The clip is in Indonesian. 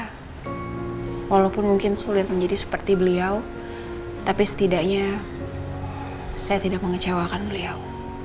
saya walaupun mungkin sulit menjadi seperti beliau tapi setidaknya saya tidak mengecewakan beliau